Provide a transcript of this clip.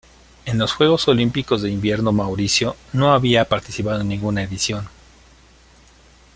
En los Juegos Olímpicos de Invierno Mauricio no ha participado en ninguna edición.